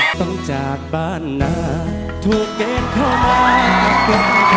ต้องจากบ้านหน้าถูกเกณฑ์เข้ามาเป็นทาง